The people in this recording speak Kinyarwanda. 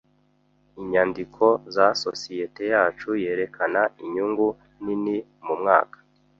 Inyandiko za societe yacu yerekana inyungu nini mumwaka.